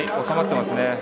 収まってますね。